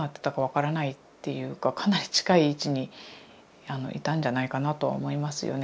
かなり近い位置にいたんじゃないかなとは思いますよね。